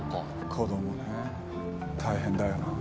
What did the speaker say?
子供ねえ大変だよな。